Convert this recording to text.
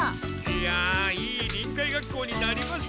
いやいい臨海学校になりました。